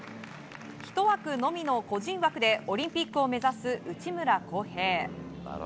１枠のみの個人枠でオリンピックを目指す内村航平。